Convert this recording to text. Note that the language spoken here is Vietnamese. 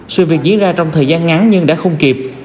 sự việc diễn ra trong thời gian ngắn nhưng đã không kịp